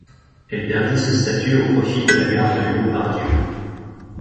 Elle perdit ce statut au profit de la gare de Lyon Part-Dieu.